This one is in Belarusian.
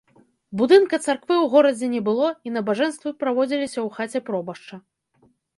Будынка царквы ў горадзе не было і набажэнствы праводзіліся ў хаце пробашча.